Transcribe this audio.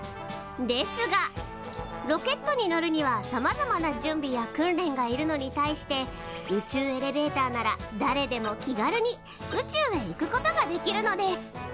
ですがロケットに乗るにはさまざまな準備や訓練がいるのに対して宇宙エレベーターなら誰でも気軽に宇宙へ行くことができるのです。